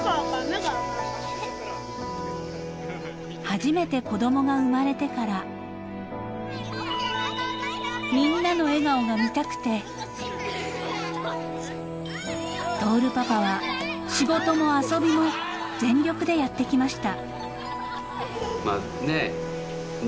［初めて子供が生まれてからみんなの笑顔が見たくて亨パパは仕事も遊びも全力でやってきました］